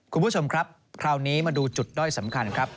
คุณผู้ชมครับคราวนี้มาดูจุดด้อยสำคัญครับ